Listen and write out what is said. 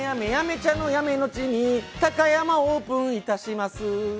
茶の八女の地に高山オープンいたします！